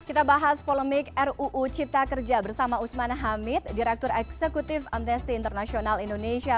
kita bahas polemik ruu cipta kerja bersama usman hamid direktur eksekutif amnesty international indonesia